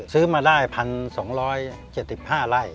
ซื้อมาได้๑๒๗๕ไร่